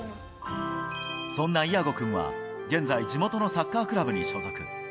そんなイアゴ君は現在、地元のサッカークラブに所属。